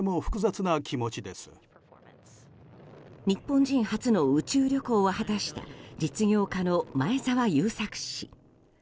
日本人初の宇宙旅行を果たした実業家の前澤友作氏。